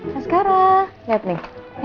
mas kara lihat nih